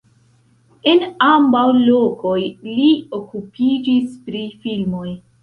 En ambaŭ lokoj li okupiĝis pri filmoj.